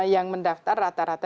yang mendaftar rata rata